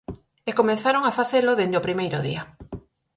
E comezaron a facelo dende o primeiro día.